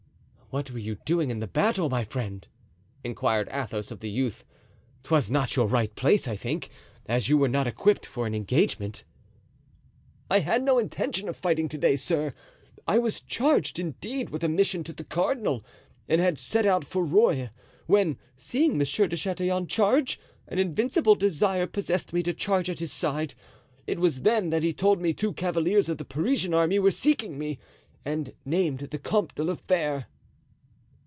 "What were you doing in the battle, my friend?" inquired Athos of the youth; "'twas not your right place, I think, as you were not equipped for an engagement!" "I had no intention of fighting to day, sir; I was charged, indeed, with a mission to the cardinal and had set out for Rueil, when, seeing Monsieur de Chatillon charge, an invincible desire possessed me to charge at his side. It was then that he told me two cavaliers of the Parisian army were seeking me and named the Comte de la Fere."